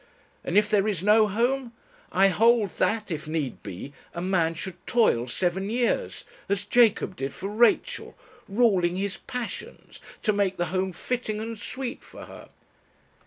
And if there is no home ! I hold that, if need be, a man should toil seven years as Jacob did for Rachel ruling his passions, to make the home fitting and sweet for her